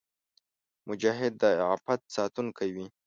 مجاهد د عفت ساتونکی وي.